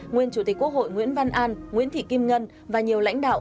nguyên chủ tịch quốc hội nguyễn văn an nguyễn thị kim ngân và nhiều lãnh đạo